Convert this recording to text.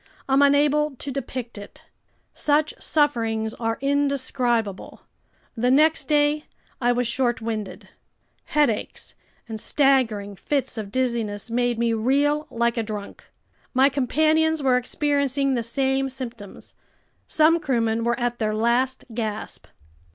I'm unable to depict it. Such sufferings are indescribable. The next day I was short winded. Headaches and staggering fits of dizziness made me reel like a drunk. My companions were experiencing the same symptoms. Some crewmen were at their last gasp.